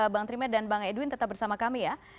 bang trime dan bang edwin tetap bersama kami ya